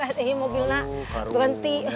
eh ini mobil nak berhenti